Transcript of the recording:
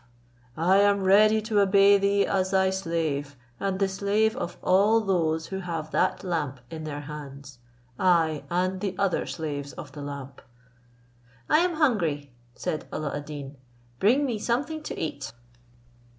I am ready to obey thee as thy slave, and the slave of all those who have that lamp in their hands; I, and the other slaves of the lamp." "I am hungry," said Alla ad Deen, "bring me something to eat."